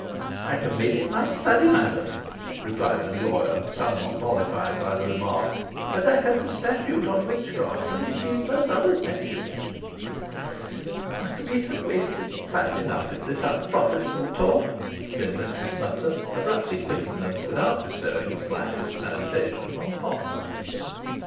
"I have made it my study, madam," replied the lawyer, somewhat mollified by the remark, "as I have the statute on witchcraft, and indeed most other statutes." "We have wasted time enough in this unprofitable talk," said Mistress Nutter, abruptly quitting them without bestowing the slightest salutation on Potts.